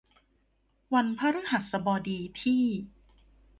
วันพฤหัสบดีที่